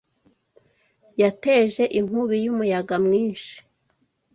yateje inkubi y’umuyaga mwinshi